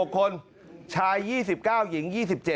๖คนชาย๒๙หญิง๒๗